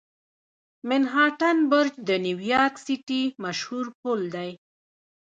منهاټن برج د نیویارک سیټي مشهور پل دی.